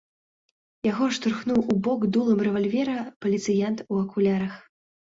Яго штурхнуў у бок дулам рэвальвера паліцыянт у акулярах.